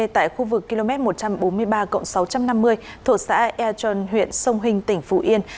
tại khu vực km một trăm bốn mươi ba sáu trăm năm mươi thổ xã e trần huyện sông hình tỉnh phụ yên